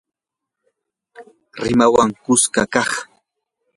rimaqwan kuska kaq